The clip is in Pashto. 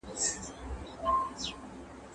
آیا پستې غوښي تر هډوکو ژر پخېږي؟